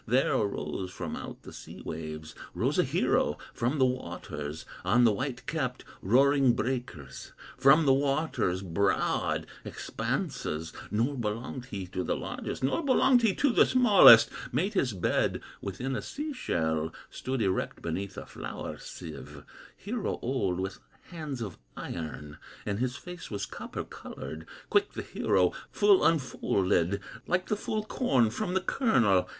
There arose from out the sea waves, Rose a hero from the waters, On the white capped, roaring breakers, From the water's broad expanses; Nor belonged he to the largest, Nor belonged he to the smallest; Made his bed within a sea shell, Stood erect beneath a flour sieve, Hero old, with hands of iron, And his face was copper colored; Quick the hero full unfolded, Like the full corn from the kernel.